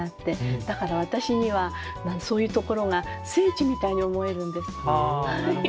だから私にはそういうところが聖地みたいに思えるんです。